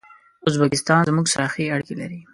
ازبکستان زموږ سره ښې اړیکي لري.